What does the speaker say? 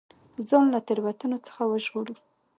ځان له تېروتنو څخه وژغورو.